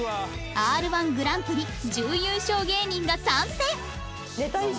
Ｒ−１ グランプリ準優勝芸人が参戦！